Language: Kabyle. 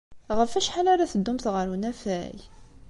Ɣef wacḥal ara teddumt ɣer unafag?